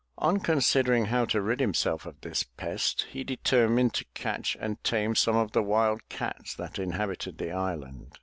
On con sidering how to rid himself of this pest, he determined to catch and tame some of the wild cats that inhabited the island.